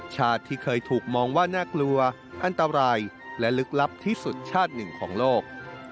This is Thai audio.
ชาติที่เคยถูกมองว่าน่ากลัวอันตรายและลึกลับที่สุดชาติหนึ่งของโลก